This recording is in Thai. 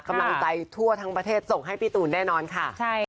กำลังใจทั่วทั้งประเทศส่งให้พี่ตูนแน่นอนค่ะ